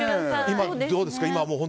今、どうですか？